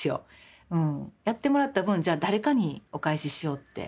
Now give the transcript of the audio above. やってもらった分じゃあ誰かにお返ししようって。